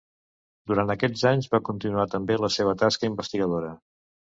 Durant aquests anys va continuar també la seva tasca investigadora.